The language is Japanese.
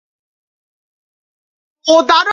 喉乾いた